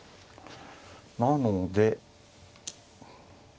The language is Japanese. なので。